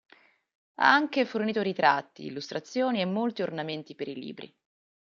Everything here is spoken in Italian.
Ha anche fornito ritratti, illustrazioni e molti ornamenti per i libri.